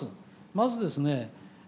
まずですね